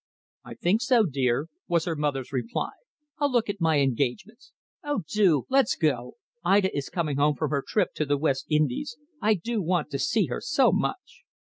"I think so, dear," was her mother's reply. "I'll look at my engagements." "Oh, do let's go! Ida is coming home from her trip to the West Indies. I do want to see her so much."